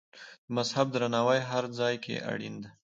د مذهب درناوی هر ځای کې اړین دی.